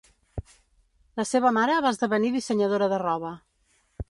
La seva mare va esdevenir dissenyadora de roba.